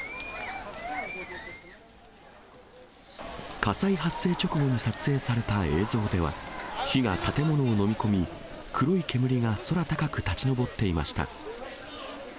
火災発生直後に撮影された映像では、火が建物を飲み込み、黒い煙が空高く立ち上っていました。